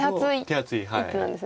手厚い。